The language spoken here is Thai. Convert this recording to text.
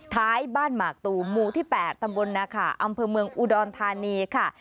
ท้ายบ้านหมากตูมูที่๘ตำรวจนะคะอำเภอเมืองอุดอนทานีค่ะ